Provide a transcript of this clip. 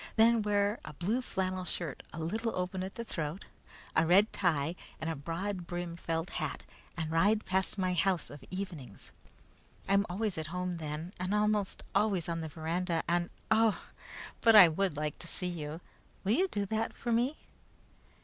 Then wear a blue flannel shirt a little open at the throat, a red tie, and a broad brimmed felt hat, and ride past my house of evenings. I'm always at home then, and almost always on the veranda, and, oh! but I would like to see you! Will you do that for me?"